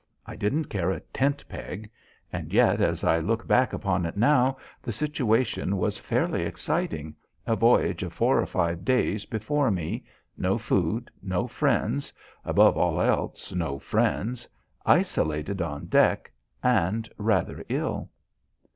I didn't care a tent peg. And yet, as I look back upon it now, the situation was fairly exciting a voyage of four or five days before me no food no friends above all else, no friends isolated on deck, and rather ill.